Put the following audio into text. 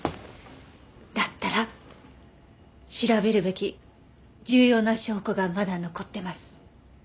だったら調べるべき重要な証拠がまだ残ってます。